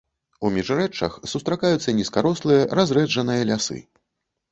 У міжрэччах сустракаюцца нізкарослыя разрэджаныя лясы.